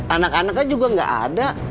anak anaknya juga nggak ada